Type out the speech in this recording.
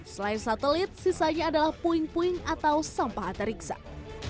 selain satelit sisanya adalah puing puing atau satelit